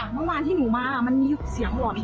เมื่อกี้ก็จะครบ